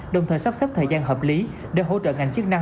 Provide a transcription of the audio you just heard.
đồng thời sắp xếp thời gian hợp lý để hỗ trợ ngành chức năng